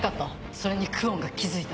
それに久遠が気付いた。